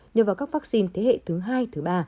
nhờ vào các vaccine thế hệ thứ hai thứ ba